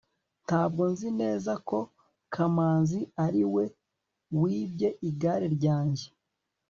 ntabwo nzi neza ko kamanzi ariwe wibye igare ryanjye